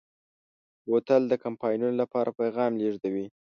بوتل د کمپاینونو لپاره پیغام لېږدوي.